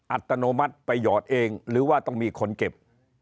อัตโนมัติไปหยอดเองหรือว่าต้องมีคนเก็บ